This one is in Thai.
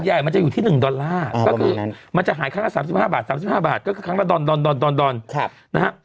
ใหญ่มันจะอยู่ที่๑ดอลลาร์ก็คือมันจะหายครั้งละ๓๕บาท๓๕บาทก็คือครั้งละดอนนะฮะ